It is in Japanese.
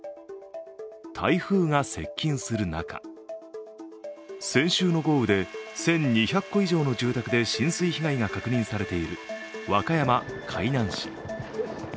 台風が接近する中、先週の豪雨で１２００戸以上の住宅で浸水が確認されている和歌山・海南市。